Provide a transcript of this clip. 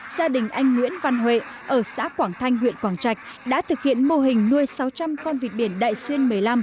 gia đình anh nguyễn văn huệ ở xã quảng thanh huyện quảng trạch đã thực hiện mô hình nuôi sáu trăm linh con vịt biển đại xuyên một mươi năm